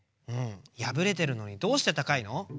うんやぶれてるのにどうしてたかいの？